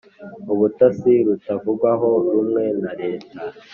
ubutasi rutavugwaho rumwe na reta